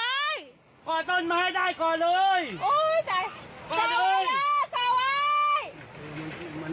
ระวังสั่งกะสี่บาทด้วยด้อ